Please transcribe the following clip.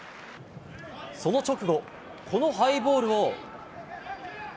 その直後、このハイボールを。